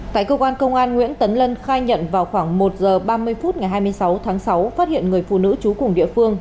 tại cơ quan công an nguyễn tấn lân khai nhận vào khoảng một h ba mươi phút ngày hai mươi sáu tháng sáu phát hiện người phụ nữ trú cùng địa phương